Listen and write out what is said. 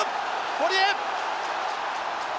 堀江。